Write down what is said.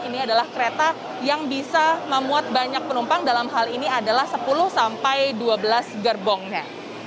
ini adalah kereta yang bisa memuat banyak penumpang dalam hal ini adalah sepuluh sampai dua belas gerbongnya